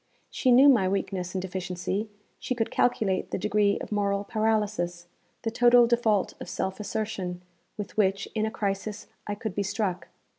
She knew my weakness and deficiency; she could calculate the degree of moral paralysis, the total default of self assertion, with which, in a crisis, I could be struck.